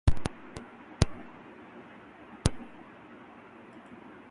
ایسے کسی قانون کا ذکر نہ تھا۔